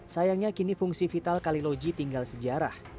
sayangnya kini fungsi vital kaliloji tinggal sejarah